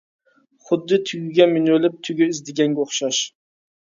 خۇددى تۆگىگە مىنىۋېلىپ تۆگە ئىزدىگەنگە ئوخشاش.